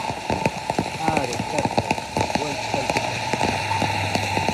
Aare kakaja juaɨ tailla